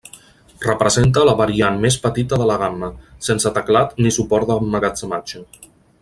Representa la variant més petita de la gamma, sense teclat ni suport d'emmagatzematge.